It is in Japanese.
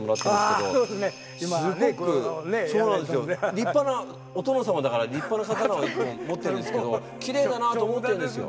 立派なお殿様だから立派な刀をいつも持ってるんですけどきれいだなと思ってるんですよ。